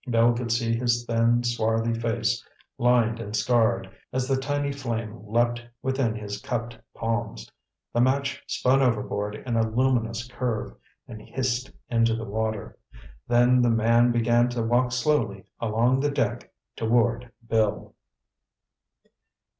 Bill could see his thin, swarthy face, lined and scarred, as the tiny flame leaped within his cupped palms. The match spun overboard in a luminous curve, and hissed into the water. Then the man began to walk slowly along the deck toward Bill.